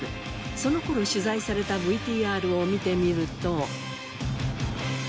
その頃取材されたＶＴＲを見てみると。